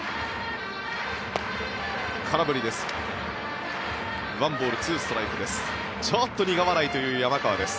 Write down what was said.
空振りです。